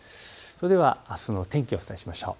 それではあすの天気、お伝えしましょう。